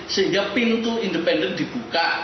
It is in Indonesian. sehingga pintu independen dibuka